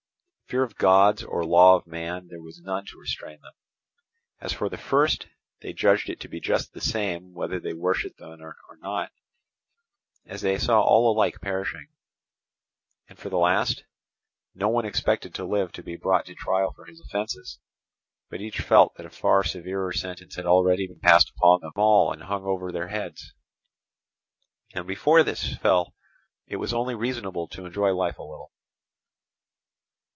Fear of gods or law of man there was none to restrain them. As for the first, they judged it to be just the same whether they worshipped them or not, as they saw all alike perishing; and for the last, no one expected to live to be brought to trial for his offences, but each felt that a far severer sentence had been already passed upon them all and hung ever over their heads, and before this fell it was only reasonable to enjoy life a little.